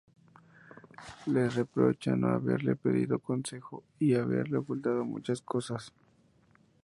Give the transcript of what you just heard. Le reprocha no haberle pedido consejo y haberle ocultado muchas cosas.